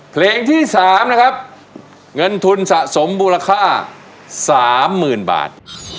เพลงที่๓นะครับเงินทุนสะสมมูลค่า๓๐๐๐บาท